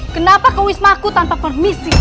kenapa kewismaku tanpa permisi